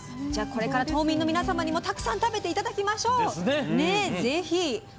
これから島民の皆さんにもたくさん食べていただきましょう。